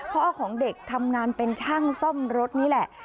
พ่อของเด็กทำงานเป็นช่างซ่อมรถนี่แหละ